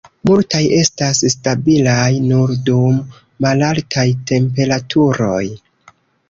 Multaj estas stabilaj nur dum malaltaj temperaturoj.